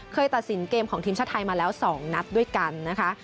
ตัดสินเกมของทีมชาติไทยมาแล้ว๒นัดด้วยกันนะคะ